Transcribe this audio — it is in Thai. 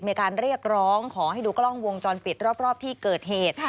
มีการเรียกร้องขอให้ดูกล้องวงจรปิดรอบที่เกิดเหตุ